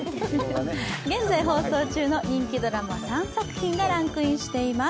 現在放送中の人気ドラマ３作品がランクインしています。